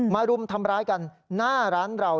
รุมทำร้ายกันหน้าร้านเรา